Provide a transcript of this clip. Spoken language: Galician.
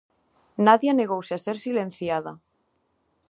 Nadia negouse a ser silenciada.